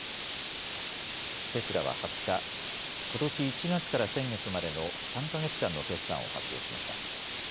テスラは２０日、ことし１月から先月までの３か月間の決算を発表しました。